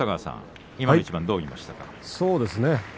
今の一番どう見ましたか？